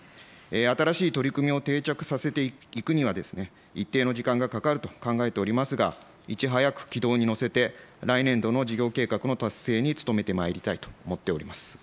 新しい取り組みを定着させていくには、一定の時間がかかると考えておりますが、いち早く軌道に乗せて、来年度の事業計画の達成に努めてまいりたいと思っております。